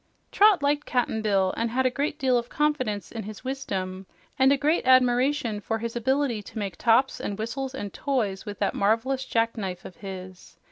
Trot liked Cap'n Bill and had a great deal of confidence in his wisdom, and a great admiration for his ability to make tops and whistles and toys with that marvelous jackknife of his.